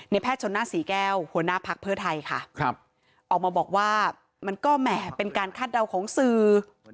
แพทย์ชนหน้าศรีแก้วหัวหน้าพักเพื่อไทยค่ะครับออกมาบอกว่ามันก็แหมเป็นการคาดเดาของสื่อ